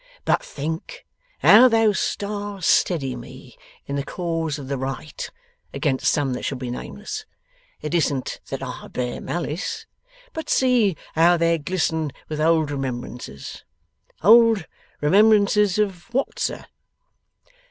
'But think how those stars steady me in the cause of the right against some that shall be nameless. It isn't that I bear malice. But see how they glisten with old remembrances! Old remembrances of what, sir?